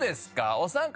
お三方